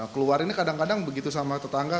keluar ini kadang kadang begitu sama tetangga